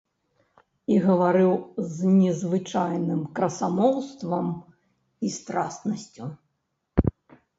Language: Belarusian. І гаварыў з незвычайным красамоўствам і страснасцю.